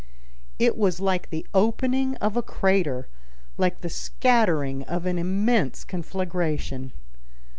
It was like the opening of a crater, like the scattering of an immense conflagration.